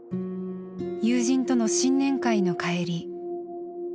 友人との新年会の帰り。